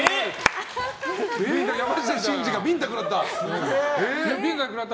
山下真司がビンタ食らった。